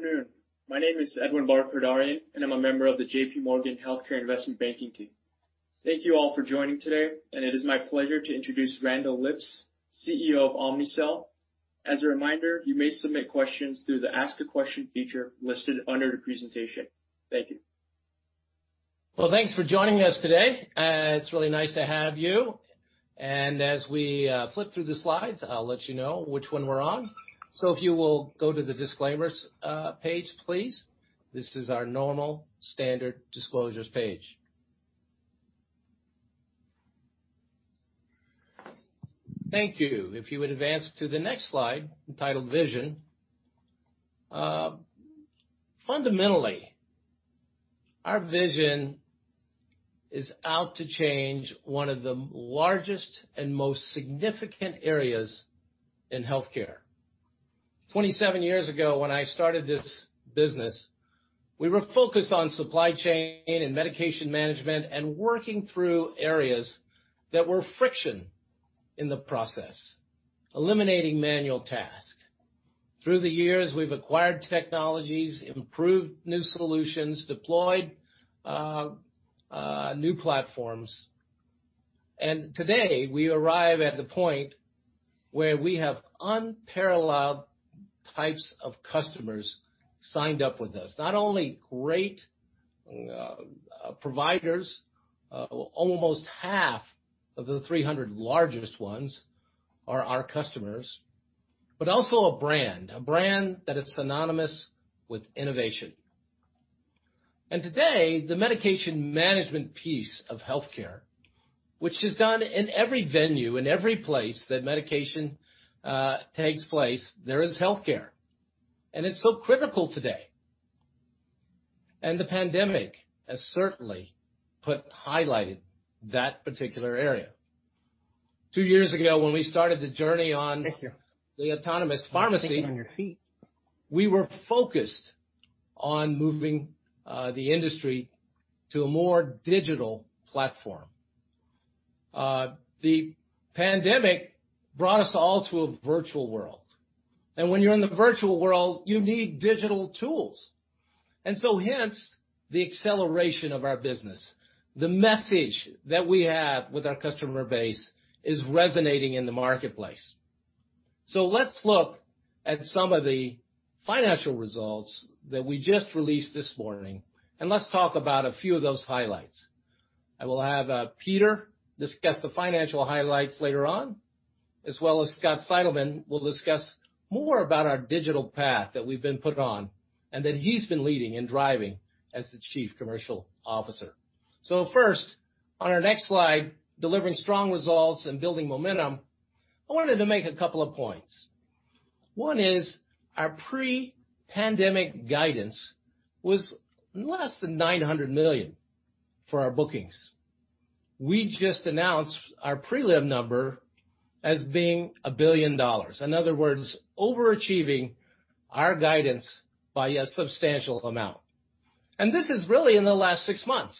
Good afternoon. My name is Edwin Barkhordarian. I'm a member of the JPMorgan Healthcare Investment Banking team. Thank you all for joining today. It is my pleasure to introduce Randall Lipps, CEO of Omnicell. As a reminder, you may submit questions through the Ask a Question feature listed under the presentation. Thank you. Well, thanks for joining us today. It's really nice to have you. As we flip through the slides, I'll let you know which one we're on. If you will go to the Disclaimers page, please. This is our normal standard disclosures page. Thank you. If you would advance to the next slide, entitled Vision. Fundamentally, our vision is out to change one of the largest and most significant areas in healthcare. 27 years ago, when I started this business, we were focused on supply chain and medication management and working through areas that were friction in the process, eliminating manual tasks. Through the years, we've acquired technologies, improved new solutions, deployed new platforms, and today we arrive at the point where we have unparalleled types of customers signed up with us. Not only great providers, almost half of the 300 largest ones are our customers, but also a brand, a brand that is synonymous with innovation. Today, the medication management piece of healthcare, which is done in every venue, in every place that medication takes place, there is healthcare, and it's so critical today. The pandemic has certainly highlighted that particular area. Two years ago when we started the journey on- Thank you. ...the Autonomous Pharmacy- I think you're on your feet. ...we were focused on moving the industry to a more digital platform. The pandemic brought us all to a virtual world. When you're in the virtual world, you need digital tools. Hence, the acceleration of our business. The message that we have with our customer base is resonating in the marketplace. Let's look at some of the financial results that we just released this morning, and let's talk about a few of those highlights. I will have Peter discuss the financial highlights later on, as well as Scott Seidelmann will discuss more about our digital path that we've been put on and that he's been leading and driving as the Chief Commercial Officer. First, on our next slide, delivering strong results and building momentum, I wanted to make a couple of points. One is our pre-pandemic guidance was less than $900 million for our bookings. We just announced our prelim number as being $1 billion. In other words, overachieving our guidance by a substantial amount. This is really in the last six months.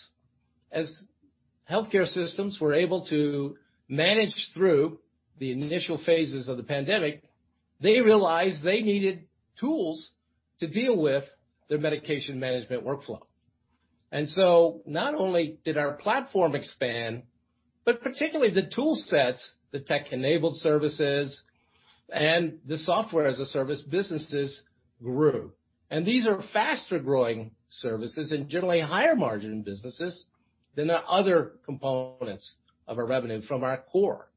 As healthcare systems were able to manage through the initial phases of the pandemic, they realized they needed tools to deal with their medication management workflow. Not only did our platform expand, but particularly the tool sets, the tech-enabled services, and the Software as a Service businesses grew. These are faster-growing services and generally higher margin businesses than the other components of our revenue from our core.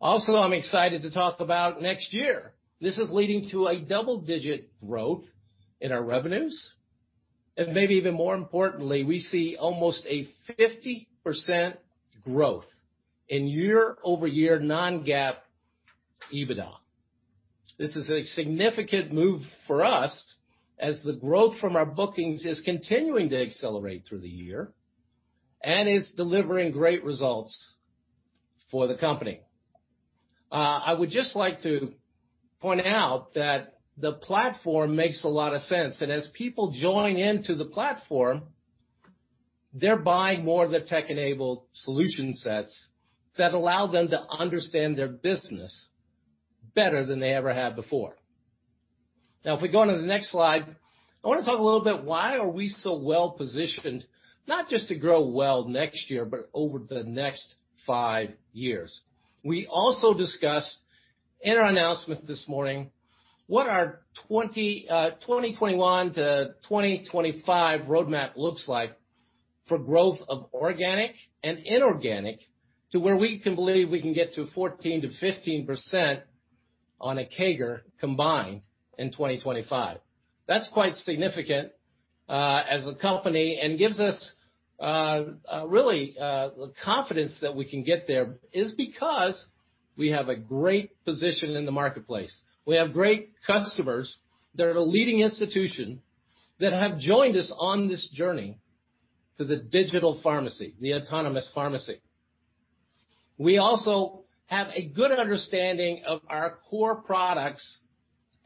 Also, I'm excited to talk about next year. This is leading to a double-digit growth in our revenues, and maybe even more importantly, we see almost a 50% growth in year-over-year non-GAAP EBITDA. This is a significant move for us as the growth from our bookings is continuing to accelerate through the year and is delivering great results for the company. I would just like to point out that the platform makes a lot of sense. As people join into the platform, they're buying more of the tech-enabled solution sets that allow them to understand their business better than they ever have before. Now, if we go onto the next slide, I want to talk a little bit, why are we so well-positioned, not just to grow well next year, but over the next five years? We also discussed in our announcement this morning what our 2021- 2025 roadmap looks like for growth of organic and inorganic to where we can believe we can get to 14%-15% on a CAGR combined in 2025. That's quite significant, as a company, and gives us really, the confidence that we can get there is because we have a great position in the marketplace. We have great customers that are the leading institution that have joined us on this journey to the digital pharmacy, the Autonomous Pharmacy. We also have a good understanding of our core products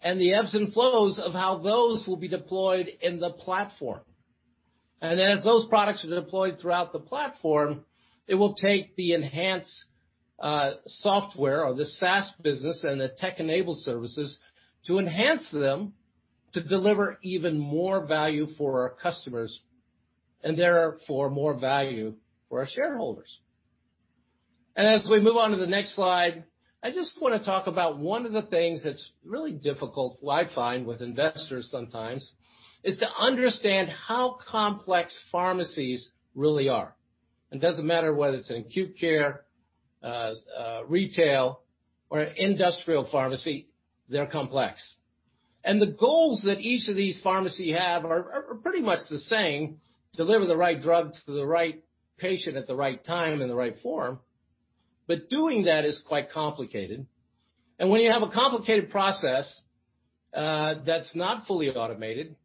and the ebbs and flows of how those will be deployed in the platform. As those products are deployed throughout the platform, it will take the enhanced software or the SaaS business and the tech-enabled services to enhance them to deliver even more value for our customers, and therefore, more value for our shareholders. As we move on to the next slide, I just want to talk about one of the things that's really difficult, well, I find with investors sometimes, is to understand how complex pharmacies really are. It doesn't matter whether it's an acute care, retail or industrial pharmacy, they're complex. The goals that each of these pharmacy have are pretty much the same. Deliver the right drug to the right patient at the right time, in the right form. Doing that is quite complicated. When you have a complicated process that's not fully automated,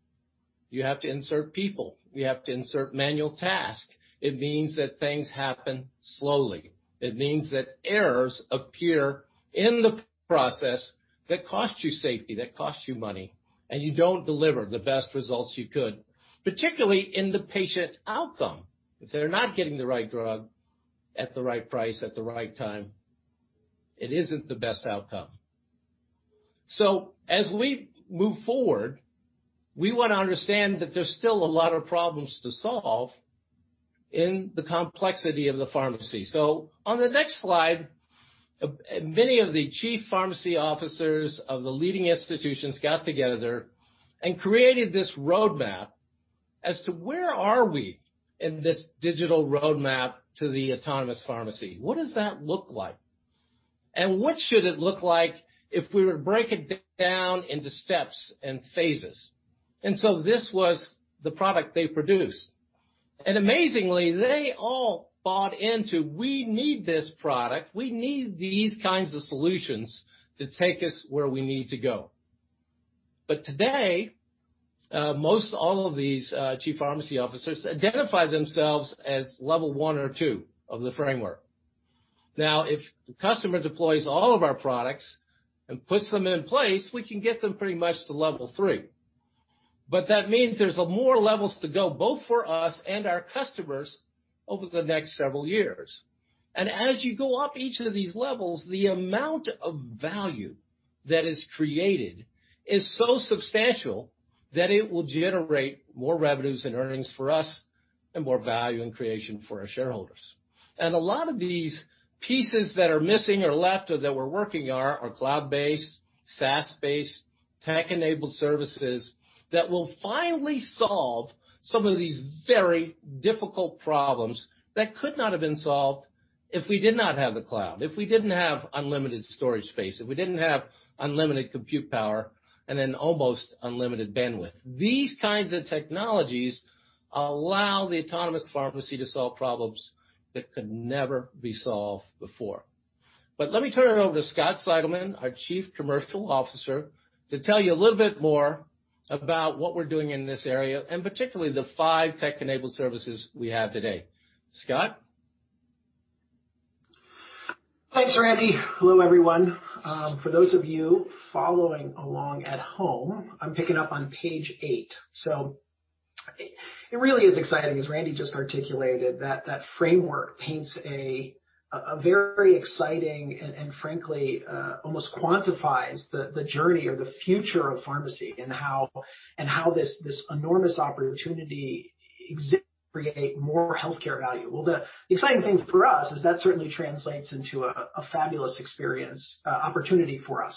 you have to insert people, you have to insert manual tasks. It means that things happen slowly. It means that errors appear in the process that cost you safety, that cost you money, and you don't deliver the best results you could, particularly in the patient outcome. If they're not getting the right drug at the right price, at the right time, it isn't the best outcome. As we move forward, we want to understand that there's still a lot of problems to solve in the complexity of the pharmacy. On the next slide, many of the chief pharmacy officers of the leading institutions got together and created this roadmap as to where are we in this digital roadmap to the Autonomous Pharmacy? What does that look like? What should it look like if we were to break it down into steps and phases? This was the product they produced. Amazingly, they all bought into, we need this product, we need these kinds of solutions to take us where we need to go. Today, most all of these Chief Pharmacy Officers identify themselves as Level 1 or 2 of the framework. If the customer deploys all of our products and puts them in place, we can get them pretty much to Level 3. That means there's more levels to go, both for us and our customers over the next several years. As you go up each of these levels, the amount of value that is created is so substantial that it will generate more revenues and earnings for us and more value and creation for our shareholders. A lot of these pieces that are missing or left or that we're working are cloud-based, SaaS-based, tech-enabled services that will finally solve some of these very difficult problems that could not have been solved if we did not have the cloud, if we didn't have unlimited storage space, if we didn't have unlimited compute power and an almost unlimited bandwidth. These kinds of technologies allow the Autonomous Pharmacy to solve problems that could never be solved before. Let me turn it over to Scott Seidelmann, our Chief Commercial Officer, to tell you a little bit more about what we're doing in this area, and particularly the five tech-enabled services we have today. Scott? Thanks, Randy. Hello, everyone. For those of you following along at home, I'm picking up on page eight. It really is exciting, as Randy just articulated, that framework paints a very exciting and frankly, almost quantifies the journey or the future of pharmacy and how this enormous opportunity exists to create more healthcare value. The exciting thing for us is that certainly translates into a fabulous experience, opportunity for us.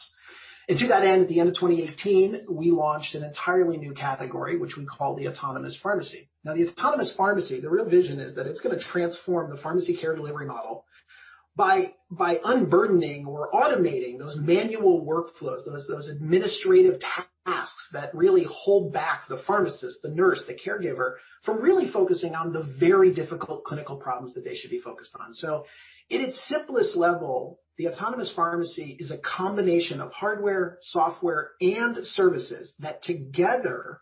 To that end, at the end of 2018, we launched an entirely new category, which we call the Autonomous Pharmacy. The Autonomous Pharmacy, the real vision is that it's going to transform the pharmacy care delivery model by unburdening or automating those manual workflows, those administrative tasks that really hold back the pharmacist, the nurse, the caregiver, from really focusing on the very difficult clinical problems that they should be focused on. In its simplest level, the Autonomous Pharmacy is a combination of hardware, software, and services that together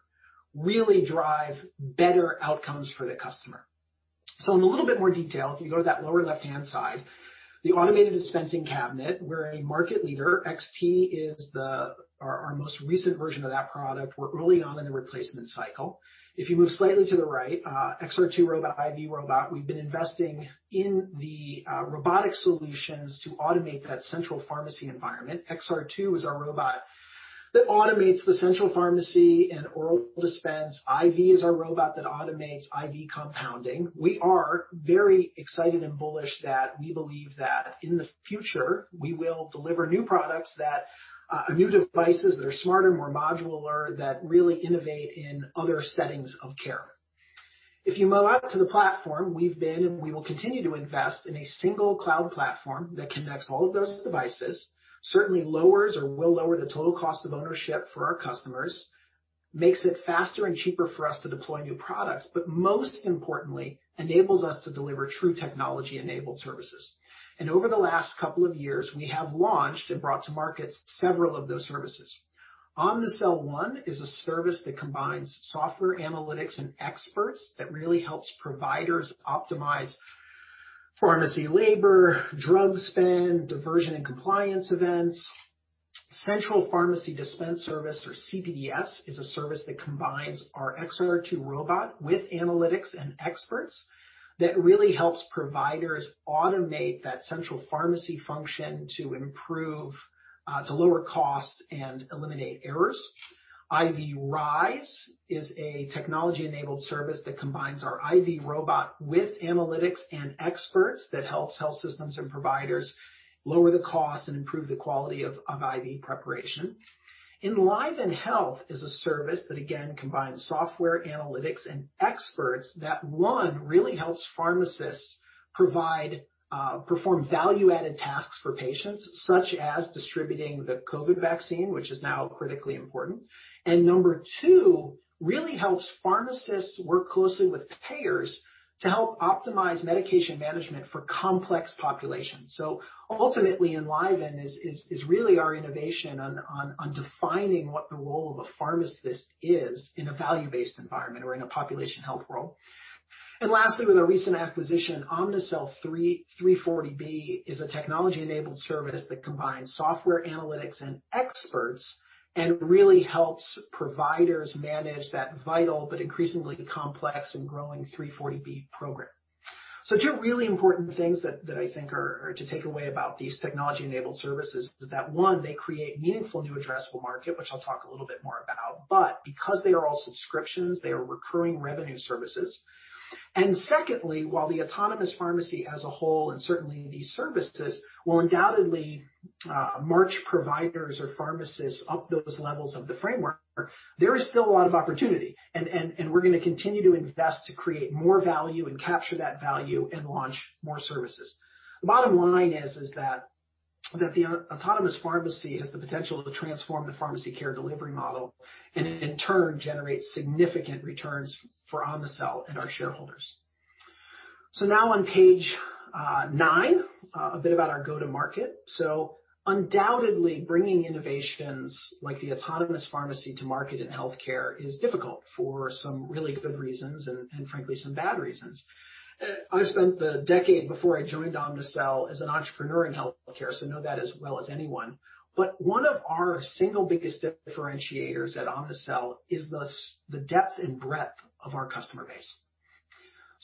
really drive better outcomes for the customer. In a little bit more detail, if you go to that lower left-hand side, the automated dispensing cabinet, we're a market leader. XT is our most recent version of that product. We're early on in the replacement cycle. If you move slightly to the right, XR2 robot, IV robot, we've been investing in the robotic solutions to automate that central pharmacy environment. XR2 is our robot that automates the central pharmacy and oral dispense. IV is our robot that automates IV compounding. We are very excited and bullish that we believe that in the future, we will deliver new products that are new devices that are smarter, more modular, that really innovate in other settings of care. If you move out to the platform, we've been and we will continue to invest in a single cloud platform that connects all of those devices, certainly lowers or will lower the total cost of ownership for our customers, makes it faster and cheaper for us to deploy new products, but most importantly, enables us to deliver true technology-enabled services. Over the last couple of years, we have launched and brought to market several of those services. Omnicell One is a service that combines software analytics and experts that really helps providers optimize pharmacy labor, drug spend, diversion, and compliance events. Central Pharmacy Dispensing Service or CPDS is a service that combines our XR2 robot with analytics and experts that really helps providers automate that central pharmacy function to lower cost and eliminate errors. IV Compounding Service is a technology-enabled service that combines our IV robot with analytics and experts that helps health systems and providers lower the cost and improve the quality of IV preparation. EnlivenHealth is a service that again, combines software analytics and experts that, one, really helps pharmacists perform value-added tasks for patients, such as distributing the COVID vaccine, which is now critically important. Number two, really helps pharmacists work closely with payers to help optimize medication management for complex populations. Ultimately, EnlivenHealth is really our innovation on defining what the role of a pharmacist is in a value-based environment or in a population health role. Lastly, with our recent acquisition, Omnicell 340B is a technology-enabled service that combines software analytics and experts and really helps providers manage that vital but increasingly complex and growing 340B program. Two really important things that I think are to take away about these technology-enabled services is that, one, they create meaningful new addressable market, which I'll talk a little bit more about. Because they are all subscriptions, they are recurring revenue services. Secondly, while the Autonomous Pharmacy as a whole, and certainly these services, will undoubtedly march providers or pharmacists up those levels of the framework, there is still a lot of opportunity, and we're going to continue to invest to create more value and capture that value and launch more services. The bottom line is that the Autonomous Pharmacy has the potential to transform the pharmacy care delivery model and in turn, generate significant returns for Omnicell and our shareholders. Now on page nine, a bit about our go-to-market. Undoubtedly, bringing innovations like the Autonomous Pharmacy to market in healthcare is difficult for some really good reasons and frankly, some bad reasons. I spent the decade before I joined Omnicell as an entrepreneur in healthcare, so know that as well as anyone. One of our single biggest differentiators at Omnicell is the depth and breadth of our customer base.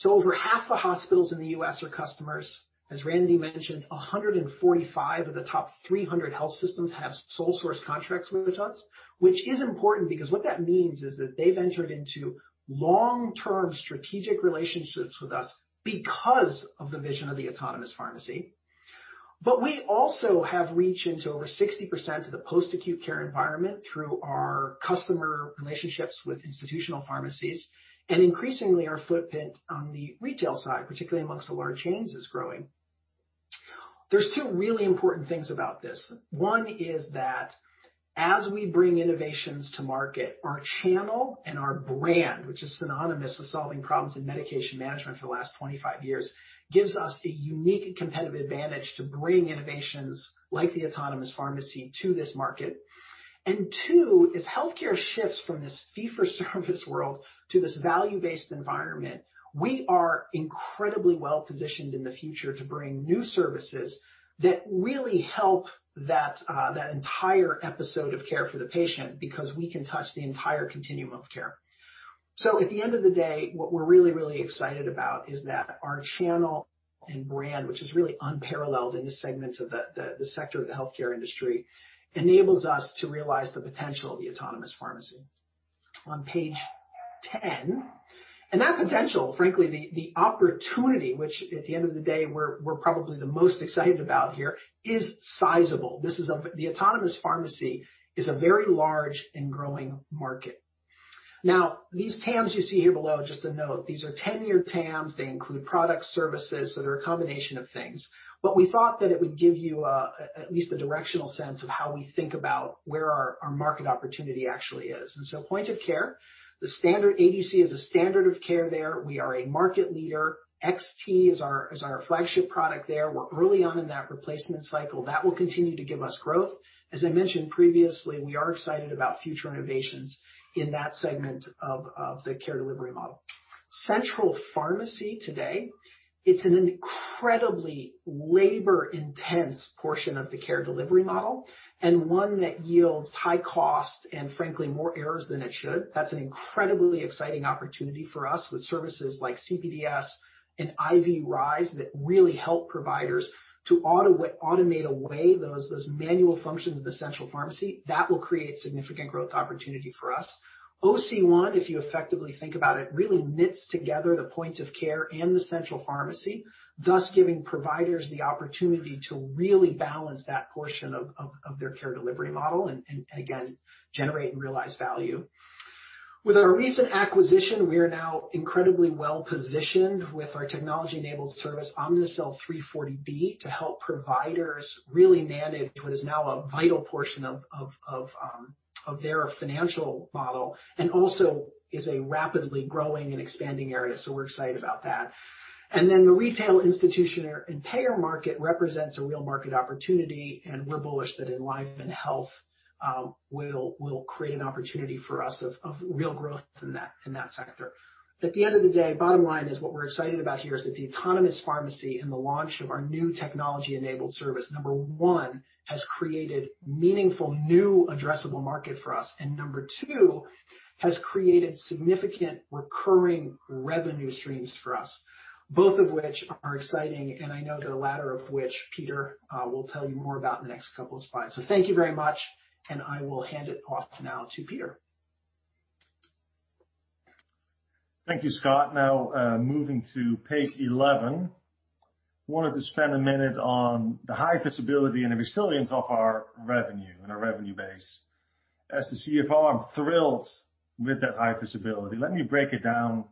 Over half the hospitals in the U.S. are customers. As Randy mentioned, 145 of the top 300 health systems have sole source contracts with us, which is important because what that means is that they've entered into long-term strategic relationships with us because of the vision of the Autonomous Pharmacy. We also have reach into over 60% of the post-acute care environment through our customer relationships with institutional pharmacies, and increasingly our footprint on the retail side, particularly amongst the large chains, is growing. There's two really important things about this. One is that as we bring innovations to market, our channel and our brand, which is synonymous with solving problems in medication management for the last 25 years, gives us a unique competitive advantage to bring innovations like the Autonomous Pharmacy to this market. Two, as healthcare shifts from this fee-for-service world to this value-based environment, we are incredibly well-positioned in the future to bring new services that really help that entire episode of care for the patient, because we can touch the entire continuum of care. At the end of the day, what we're really, really excited about is that our channel and brand, which is really unparalleled in this segment of the sector of the healthcare industry, enables us to realize the potential of the Autonomous Pharmacy. On page 10, that potential, frankly, the opportunity, which at the end of the day, we're probably the most excited about here, is sizable. The Autonomous Pharmacy is a very large and growing market. Now, these TAMs you see here below, just a note, these are 10-year TAMs. They include product services, so they're a combination of things. We thought that it would give you at least a directional sense of how we think about where our market opportunity actually is. Point of care, the standard ADC is a standard of care there. We are a market leader. XT is our flagship product there. We're early on in that replacement cycle. That will continue to give us growth. As I mentioned previously, we are excited about future innovations in that segment of the care delivery model. Central pharmacy today, it's an incredibly labor-intense portion of the care delivery model, and one that yields high cost, and frankly, more errors than it should. That's an incredibly exciting opportunity for us with services like CPDS and IV Compounding Service that really help providers to automate away those manual functions of the central pharmacy. That will create significant growth opportunity for us. OC1, if you effectively think about it, really knits together the points of care and the central pharmacy, thus giving providers the opportunity to really balance that portion of their care delivery model, and again, generate and realize value. With our recent acquisition, we are now incredibly well-positioned with our technology-enabled service, Omnicell 340B, to help providers really manage what is now a vital portion of their financial model, and also is a rapidly growing and expanding area. We're excited about that. The retail, institutional, and payer market represents a real market opportunity, and we're bullish that EnlivenHealth will create an opportunity for us of real growth in that sector. At the end of the day, bottom line is what we're excited about here is that the Autonomous Pharmacy and the launch of our new technology-enabled service, number one, has created meaningful new addressable market for us. Number two, has created significant recurring revenue streams for us, both of which are exciting, and I know the latter of which Peter will tell you more about in the next couple of slides. Thank you very much, and I will hand it off now to Peter. Thank you, Scott. Moving to page 11. Wanted to spend a minute on the high visibility and the resilience of our revenue and our revenue base. As the CFO, I'm thrilled with that high visibility. Let me break it down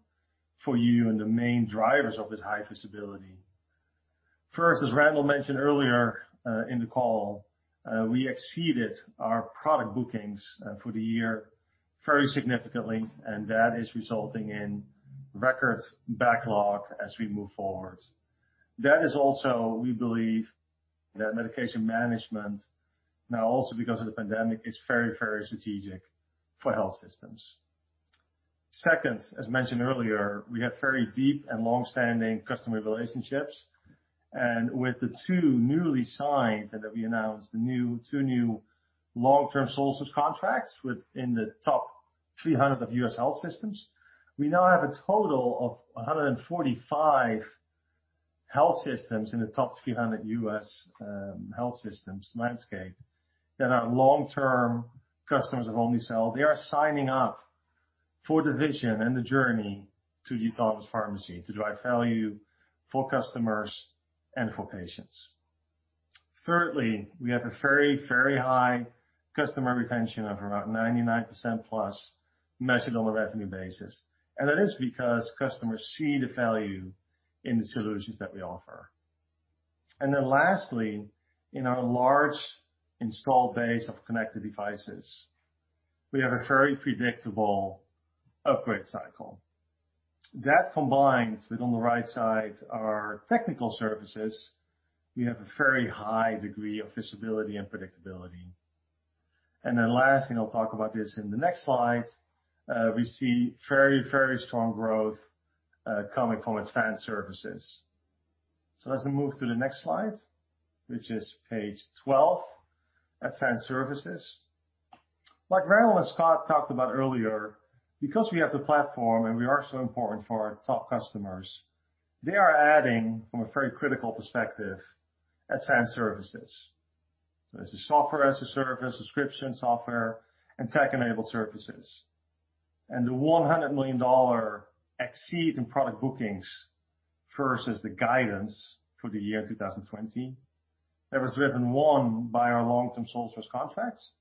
for you and the main drivers of this high visibility. First, as Randall mentioned earlier in the call, we exceeded our product bookings for the year very significantly, that is resulting in record backlog as we move forward. That is also, we believe, that medication management now also because of the pandemic, is very strategic for health systems. Second, as mentioned earlier, we have very deep and longstanding customer relationships. With the two newly signed, and that we announced, the two new long-term sole source contracts within the top 300 of U.S. health systems. We now have a total of 145 health systems in the top 300 U.S. health systems landscape that are long-term customers of Omnicell. They are signing up for the vision and the journey to the Autonomous Pharmacy to drive value for customers and for patients. We have a very, very high customer retention of around 99%+, measured on a revenue basis. That is because customers see the value in the solutions that we offer. Lastly, in our large installed base of connected devices, we have a very predictable upgrade cycle. That combined with, on the right side, our technical services, we have a very high degree of visibility and predictability. Last, and I'll talk about this in the next slide, we see very, very strong growth coming from Advanced Services. Let's move to the next slide, which is page 12, Advanced Services. Like Randall and Scott talked about earlier, because we have the platform, and we are so important for our top customers, they are adding from a very critical perspective, Advanced Services. This is software as a service, subscription software, and tech-enabled services. The $100 million exceed in product bookings versus the guidance for the year 2020, that was driven, one, by our long-term sole source contracts,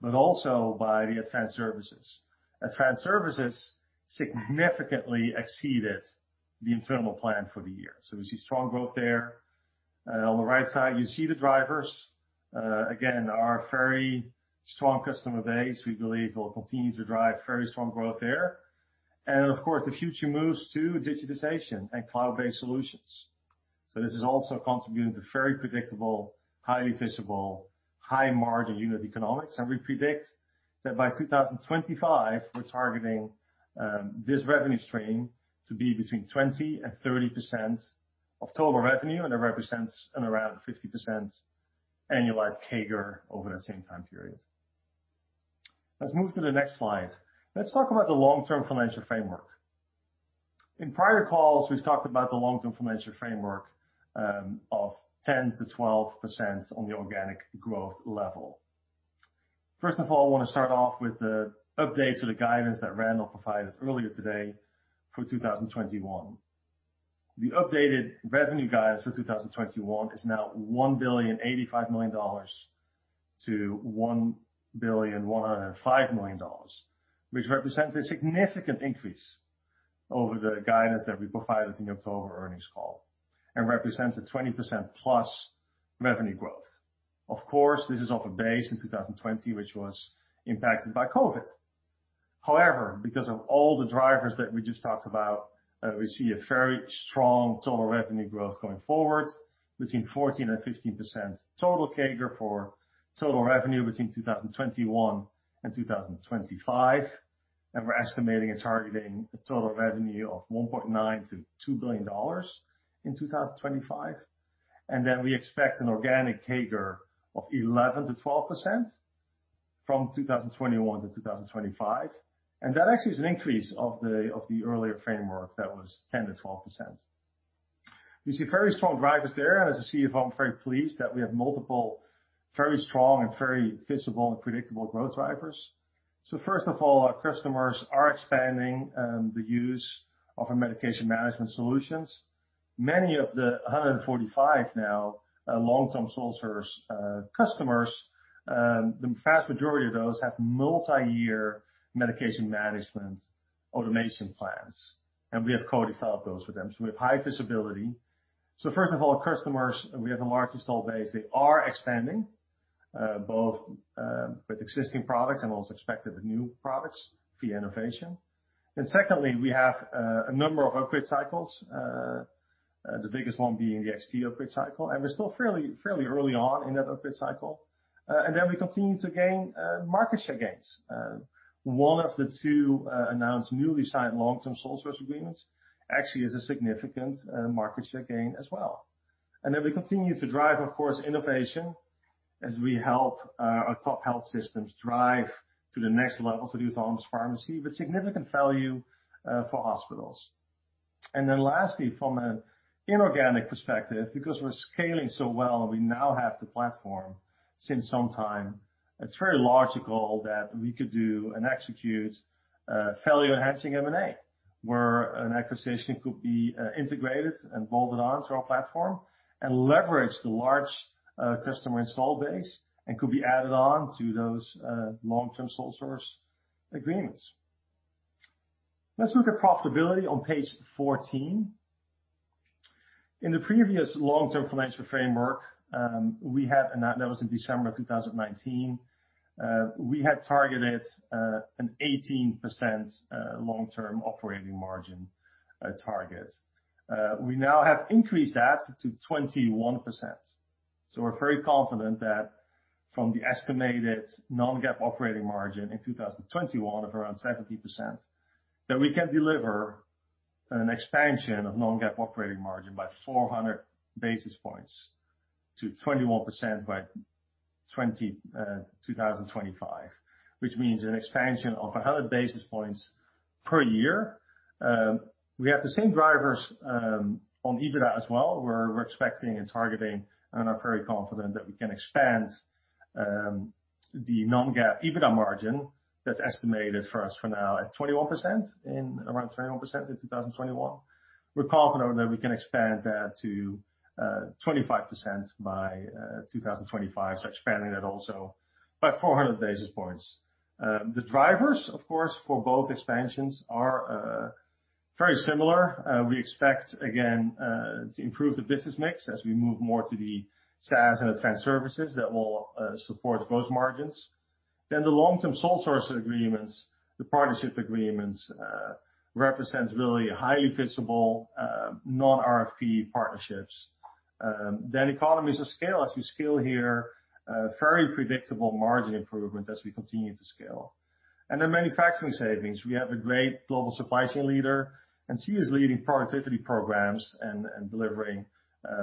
but also by the Advanced Services. Advanced Services significantly exceeded the internal plan for the year. We see strong growth there. On the right side, you see the drivers. Again, our very strong customer base, we believe, will continue to drive very strong growth there. Of course, the future moves to digitization and cloud-based solutions. This is also contributing to very predictable, highly visible, high margin unit economics. We predict that by 2025, we're targeting this revenue stream to be between 20% and 30% of total revenue. That represents an around 50% annualized CAGR over that same time period. Let's move to the next slide. Let's talk about the long-term financial framework. In prior calls, we've talked about the long-term financial framework of 10% to 12% on the organic growth level. First of all, I want to start off with the update to the guidance that Randall provided earlier today for 2021. The updated revenue guidance for 2021 is now $1.085 billion-$1.105 billion, which represents a significant increase over the guidance that we provided in the October earnings call and represents a 20%+ revenue growth. Of course, this is off a base in 2020, which was impacted by COVID. However, because of all the drivers that we just talked about, we see a very strong total revenue growth going forward between 14% and 15% total CAGR for total revenue between 2021 and 2025. We're estimating and targeting a total revenue of $1.9 billion-$2 billion in 2025. We expect an organic CAGR of 11%-12% from 2021 to 2025. That actually is an increase of the earlier framework that was 10%-12%. We see very strong drivers there, and as a CFO, I'm very pleased that we have multiple very strong and very visible and predictable growth drivers. First of all, our customers are expanding the use of our medication management solutions. Many of the 145 now long-term sole source customers, the vast majority of those have multi-year medication management automation plans, and we have co-developed those with them. We have high visibility. First of all, customers, we have a large install base. They are expanding, both with existing products and also expected with new products via innovation. Secondly, we have a number of upgrade cycles, the biggest one being the XT upgrade cycle, and we're still fairly early on in that upgrade cycle. Then we continue to gain market share gains. One of the two announced newly signed long-term sole source agreements actually is a significant market share gain as well. Then we continue to drive, of course, innovation as we help our top health systems drive to the next level to the Autonomous Pharmacy with significant value for hospitals. Lastly, from an inorganic perspective, because we're scaling so well, we now have the platform since some time. It's very logical that we could do and execute value-enhancing M&A, where an acquisition could be integrated and bolted on to our platform and leverage the large customer install base, and could be added on to those long-term sole source agreements. Let's look at profitability on page 14. In the previous long-term financial framework, and that was in December of 2019, we had targeted an 18% long-term operating margin target. We now have increased that to 21%. We're very confident that from the estimated non-GAAP operating margin in 2021 of around 17%, that we can deliver an expansion of non-GAAP operating margin by 400 basis points to 21% by 2025, which means an expansion of 100 basis points per year. We have the same drivers on EBITDA as well. We're expecting and targeting and are very confident that we can expand the non-GAAP EBITDA margin that's estimated for us for now at 21%, around 21% in 2021. We're confident that we can expand that to 25% by 2025, so expanding that also by 400 basis points. The drivers, of course, for both expansions are very similar. We expect, again, to improve the business mix as we move more to the SaaS and Advanced Services that will support gross margins. The long-term sole source agreements, the partnership agreements, represents really highly visible non-RFP partnerships. Economies of scale, as we scale here, very predictable margin improvement as we continue to scale. Manufacturing savings. We have a great global supply chain leader, and she is leading productivity programs and delivering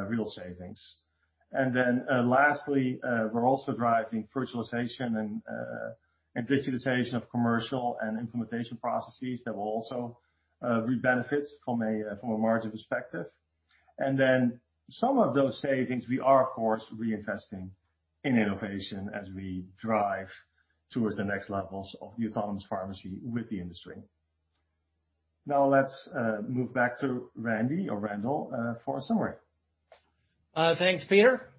real savings. Lastly, we're also driving virtualization and digitization of commercial and implementation processes that will also reap benefits from a margin perspective. Some of those savings we are, of course, reinvesting in innovation as we drive towards the next levels of the Autonomous Pharmacy with the industry. Now let's move back to Randy or Randall for a summary. Thanks, Peter.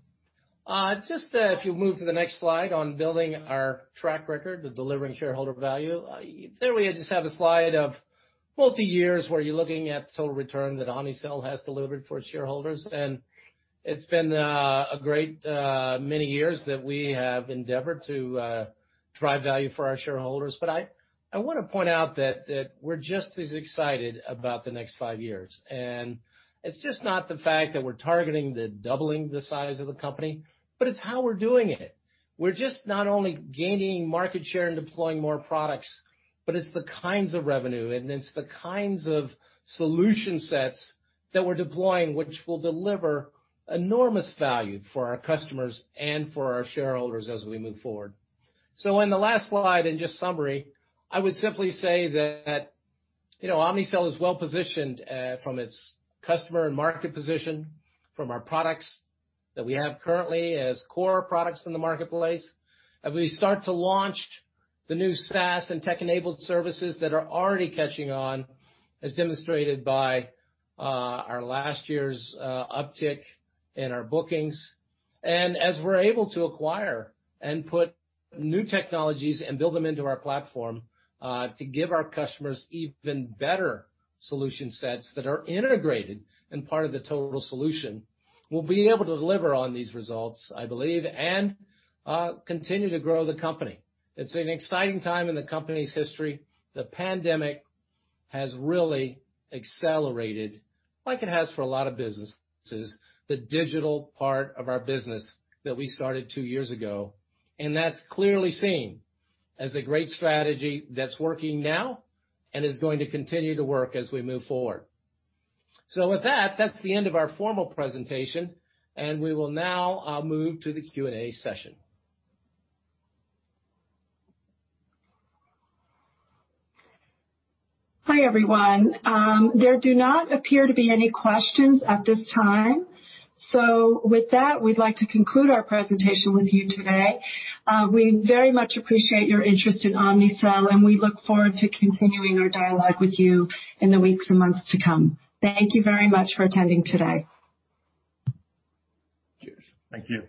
Just if you move to the next slide on building our track record of delivering shareholder value. There we have a slide of multi-years where you're looking at total return that Omnicell has delivered for its shareholders. It's been a great many years that we have endeavored to drive value for our shareholders. I want to point out that we're just as excited about the next five years, and it's just not the fact that we're targeting the doubling the size of the company, but it's how we're doing it. We're just not only gaining market share and deploying more products, but it's the kinds of revenue, and it's the kinds of solution sets that we're deploying, which will deliver enormous value for our customers and for our shareholders as we move forward. On the last slide, in just summary, I would simply say that Omnicell is well positioned, from its customer and market position, from our products that we have currently as core products in the marketplace. As we start to launch the new SaaS and tech-enabled services that are already catching on, as demonstrated by our last year's uptick in our bookings. As we're able to acquire and put new technologies and build them into our platform, to give our customers even better solution sets that are integrated and part of the total solution. We'll be able to deliver on these results, I believe, and continue to grow the company. It's an exciting time in the company's history. The pandemic has really accelerated, like it has for a lot of businesses, the digital part of our business that we started two years ago. That's clearly seen as a great strategy that's working now and is going to continue to work as we move forward. With that's the end of our formal presentation, and we will now move to the Q&A session. Hi, everyone. There do not appear to be any questions at this time. With that, we'd like to conclude our presentation with you today. We very much appreciate your interest in Omnicell, and we look forward to continuing our dialogue with you in the weeks and months to come. Thank you very much for attending today. Cheers. Thank you.